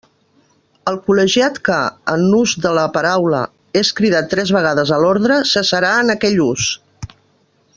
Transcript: El col·legiat que, en ús de la paraula, és cridat tres vegades a l'ordre, cessarà en aquell ús.